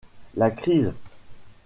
La crise.